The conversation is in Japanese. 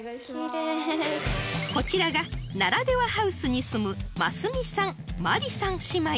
［こちらが「ならではハウス」に住む眞澄さん真理さん姉妹］